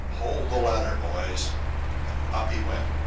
Hold the ladder, boys." And up he went!